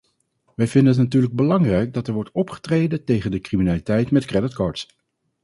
Wij vinden het natuurlijk belangrijk dat er wordt opgetreden tegen de criminaliteit met creditcards.